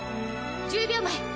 １０秒前。